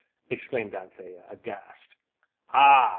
exclaimed Anthea, aghast. "Ah!